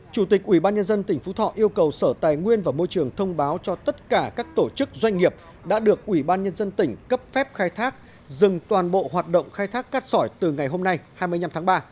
chủ tịch ubnd tỉnh phú thọ yêu cầu sở tài nguyên và môi trường thông báo cho tất cả các tổ chức doanh nghiệp đã được ủy ban nhân dân tỉnh cấp phép khai thác dừng toàn bộ hoạt động khai thác cát sỏi từ ngày hôm nay hai mươi năm tháng ba